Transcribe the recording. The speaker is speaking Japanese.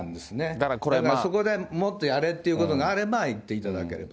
だからそこでもっとやれということがあれば言っていただけると。